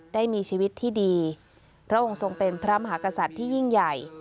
ได้มีชีวิตที่ดีพระองค์ทรงเป็นพระมหากษัตริย์ที่ยิ่งใหญ่